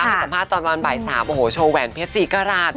สัมภาษณ์ตอนวันบ่ายสามโอ้โหโชว์แหวนเพียสสีกระราช